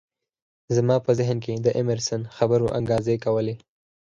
زما په ذهن کې د ایمرسن خبرو انګازې کولې